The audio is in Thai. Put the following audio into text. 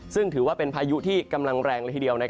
ซึ่งถือว่าเป็นพายุที่กำลังแรงเลยทีเดียว